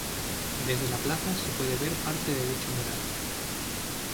Desde la plaza, se puede ver parte de dicho mural.